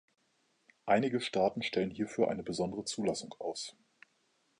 Einige Staaten stellen hierfür eine besondere Zulassung aus.